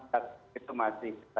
jadi mereka yang puasa di rata rata